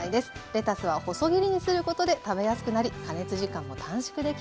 レタスは細切りにすることで食べやすくなり加熱時間も短縮できます。